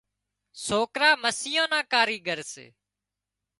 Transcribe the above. سوڪرا مسيان نا ڪاريڳر سي